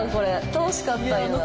楽しかった！